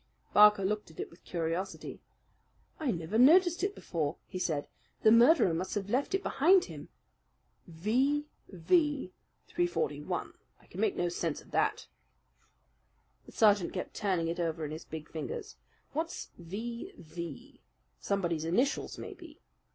Barker looked at it with curiosity. "I never noticed it before," he said. "The murderer must have left it behind him." "V.V. 341. I can make no sense of that." The sergeant kept turning it over in his big fingers. "What's V.V.? Somebody's initials, maybe.